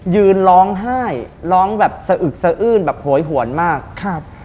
ยืนร้องไห้ร้องแบบสะอึกสะอื้นแบบโหยหวนมากครับ